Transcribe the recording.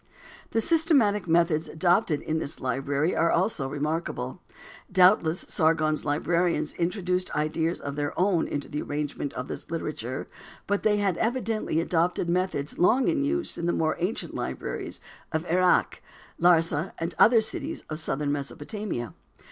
The systematic methods adopted in this library are also remarkable. Doubtless Sargon's librarians introduced ideas of their own in the arrangement of this literature, but they had evidently adopted methods long in use in the more ancient libraries of Erech, Larsa and other cities of southern Mesopotamia.